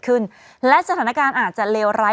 คุณผู้ชมขายังจริงท่านออกมาบอกว่า